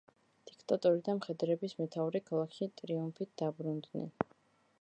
დიქტატორი და მხედრების მეთაური ქალაქში ტრიუმფით დაბრუნდნენ.